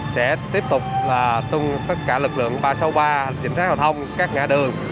sẽ tiếp tục tung tất cả lực lượng ba trăm sáu mươi ba kiểm tra giao thông các ngã đường